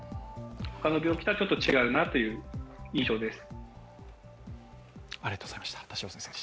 他の病気とはちょっと違うなという印象です。